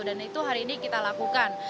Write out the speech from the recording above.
dan itu hari ini kita lakukan